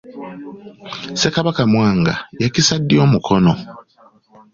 Ssekabaka Mwanga yakisa ddi omukono?